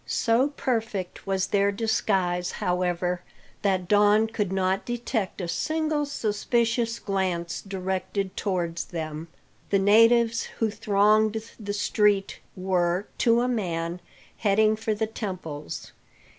So perfect was their disguise, however, that Don could not detect a single suspicious glance directed towards them. The natives who thronged the street were, to a man, heading for the temples.